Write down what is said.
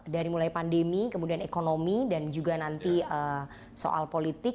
dari mulai pandemi kemudian ekonomi dan juga nanti soal politik